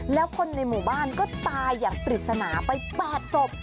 แล้วคนในหมู่บ้านก็ตายอย่างปริศนาไป๘ศพ